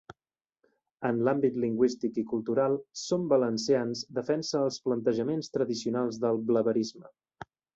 En l'àmbit lingüístic i cultural, Som Valencians defensa els plantejaments tradicionals del blaverisme.